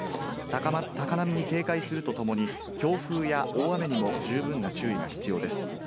高波に警戒するとともに、強風や大雨にも十分な注意が必要です。